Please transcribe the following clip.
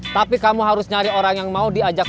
tapi kamu harus nyari orang yang mau diajak